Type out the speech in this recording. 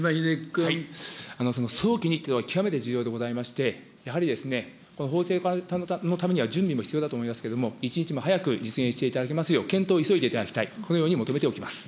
早期にというのは、極めて重要でございまして、やはり法制化のためには準備も必要だと思いますけれども、一日も早く実現していただけますよう、検討を急いでいただきたい、このように求めておきます。